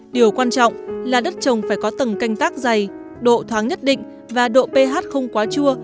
điều quan trọng là đất trồng phải có tầng canh tác dày độ thoáng nhất định và độ ph không quá chua